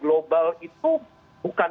global itu bukan